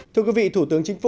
thưa quý vị thủ tướng chính trị